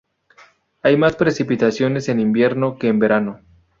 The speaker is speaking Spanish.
Hay más precipitaciones en invierno que en verano.